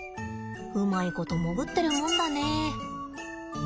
うまいこと潜ってるもんだね。